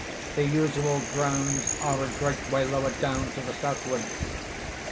The usual grounds are a great way lower down to the southward.